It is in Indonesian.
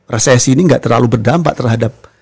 resesi ini nggak terlalu berdampak terhadap